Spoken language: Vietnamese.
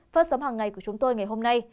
phát sóng hàng ngày của chúng tôi ngày hôm nay